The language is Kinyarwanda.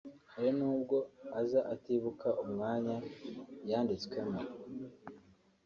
Hari n’ubwo aza atibuka umwaka yanditswemo